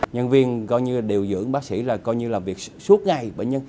nhân viên điều dưỡng bác sĩ là việc suốt ngày